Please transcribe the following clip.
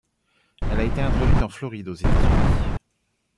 Elle a été introduite en Floride aux États-Unis.